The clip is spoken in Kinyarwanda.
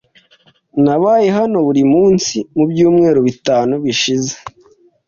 Nabaye hano buri munsi mubyumweru bitatu bishize.